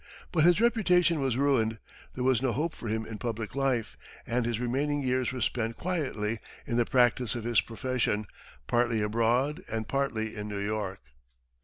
But his reputation was ruined, there was no hope for him in public life, and his remaining years were spent quietly in the practice of his profession, partly abroad and partly in New York.